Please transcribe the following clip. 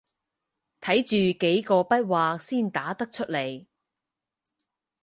睇住幾個筆劃先打得出來